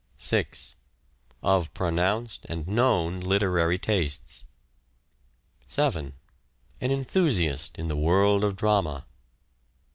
6. Of pronounced and known literary tastes. 7. An enthusiast in the world of drama.